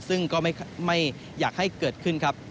ซึ่งก็ไม่อยากให้เกิดขึ้นครับ